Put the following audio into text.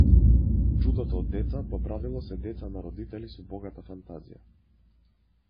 Чудото од деца, по правило, се деца на родители со богата фантазија.